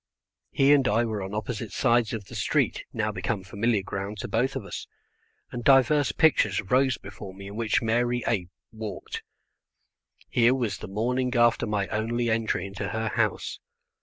He and I were on opposite sides of the street, now become familiar ground to both of us, and divers pictures rose before me in which Mary A walked. Here was the morning after my only entry into her house.